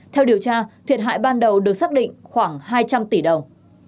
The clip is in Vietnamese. theo điều tra thiệt hại ban đầu được xác định khoảng hai trăm linh tỷ đồng